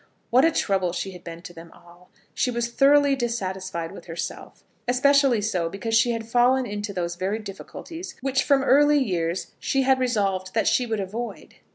What a trouble she had been to them all! She was thoroughly dissatisfied with herself; especially so because she had fallen into those very difficulties which from early years she had resolved that she would avoid.